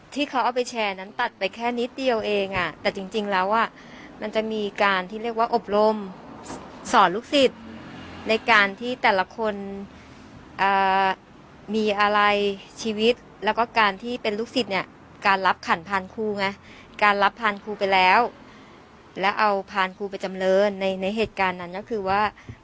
ที่เขาเอาไปแชร์นั้นตัดไปแค่นิดเดียวเองอ่ะแต่จริงแล้วอ่ะมันจะมีการที่เรียกว่าอบรมสอนลูกศิษย์ในการที่แต่ละคนมีอะไรชีวิตแล้วก็การที่เป็นลูกศิษย์เนี่ยการรับขันพานครูไงการรับพานครูไปแล้วแล้วเอาพานครูไปจำเรินในในเหตุการณ์นั้นก็คือว่า